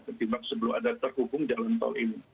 ketimbang sebelum ada terhubung jalan tol ini